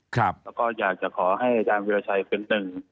แล้วก็อยากจะขอให้อาจารย์วิราชัยเป็นหนึ่ง